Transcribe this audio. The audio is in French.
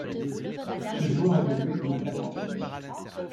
Ce joueur évoluait comme attaquant.